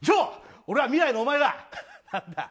俺は未来のお前だ！